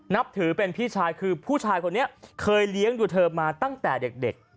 นับถือเป็นพี่ชายคือผู้ชายคนนี้เคยเลี้ยงดูเธอมาตั้งแต่เด็ก